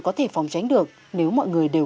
có thể phòng tránh được nếu mọi người đều